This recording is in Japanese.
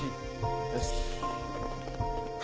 よし。